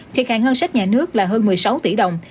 thiệt hại ngân sách nhà nước là hơn một mươi sáu tỷ đồng